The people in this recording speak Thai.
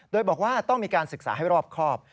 โดยบอกว่าต้องมีการศึกษาให้รอบครอบ